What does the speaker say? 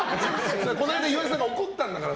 この間、岩井さんが怒ったんだから。